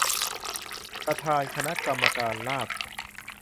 ประธานคณะกรรมการราษฎร